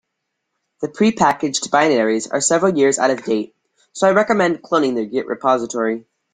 The prepackaged binaries are several years out of date, so I recommend cloning their git repository.